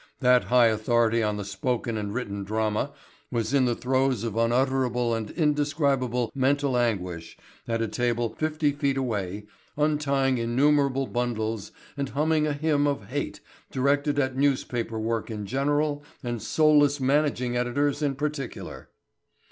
That high authority on the spoken and written drama was in the throes of unutterable and indescribable mental anguish at a table fifty feet away untying innumerable bundles and humming a hymn of hate directed at newspaper work in general and soulless managing editors in particular.